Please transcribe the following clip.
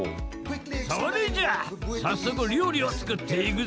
それじゃ早速料理を作っていくぜ！